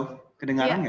halo kedengaran nggak ya